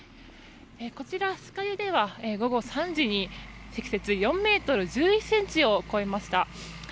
こちら、酸ヶ湯では午後３時に積雪が４ｍ１１ｃｍを超えました。